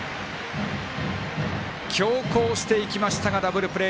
強攻していきましたがダブルプレー。